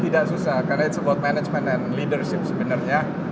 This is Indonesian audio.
tidak susah karena it's about management and leadership sebenarnya